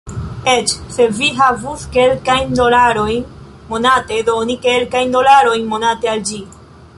Eĉ se vi havus kelkajn dolarojn monate, doni kelkajn dolarojn monate... al ĝi...